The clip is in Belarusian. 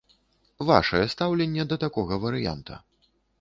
Вашае стаўленне да такога варыянта?